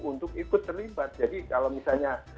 untuk ikut terlibat jadi kalau misalnya